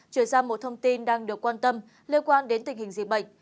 chuyển sang một thông tin đang được quan tâm liên quan đến tình hình dịch bệnh